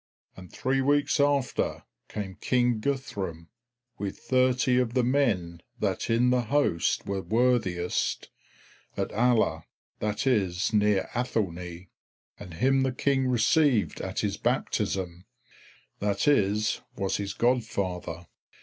And three weeks after came King Guthrum with thirty of the men that in the host were worthiest, at Aller, that is near Athelney. And him the King received at his baptism, [Footnote: That is, was his godfather.